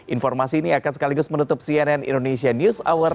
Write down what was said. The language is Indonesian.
informasi ini akan sekaligus menutup cnn indonesia news hour